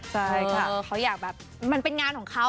ใช่ค่ะเขาอยากแบบมันเป็นงานของเขา